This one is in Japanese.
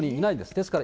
ですから。